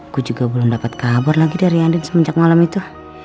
gue juga belum dapat kabar lagi dari anda semenjak malam itu